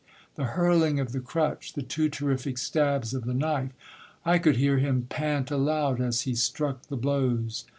The hurling of the crutch; the two terrific stabs of the knife. "I could hear him pant aloud as he struck the blows."